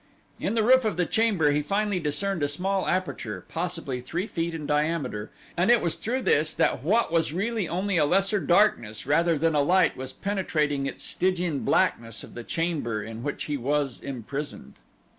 In the roof of the chamber he finally discerned a small aperture, possibly three feet in diameter and it was through this that what was really only a lesser darkness rather than a light was penetrating its Stygian blackness of the chamber in which he was imprisoned.